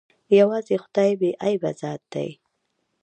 يوازې خداى بې عيبه ذات ديه.